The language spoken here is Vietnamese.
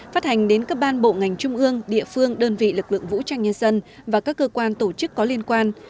phát hành đến các ban bộ ngành trung ương địa phương đơn vị lực lượng vũ trang nhân dân và các cơ quan tổ chức có liên quan